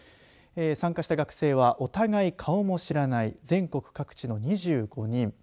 参加した学生はお互い顔も知らない全国各地の２５人。